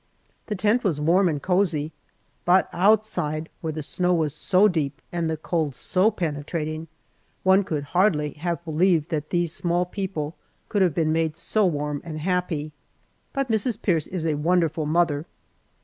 The tent was warm and cozy, but outside, where the snow was so deep and the cold so penetrating, one could hardly have believed that these small people could have been made so warm and happy. But Mrs. Pierce is a wonderful mother!